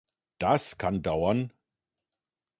Das kann dauern.